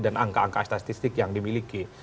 dan angka angka statistik yang dimiliki